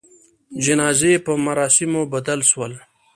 جنازې په مراسموبدل سول.